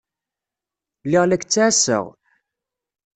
Lliɣ la k-ttɛassaɣ.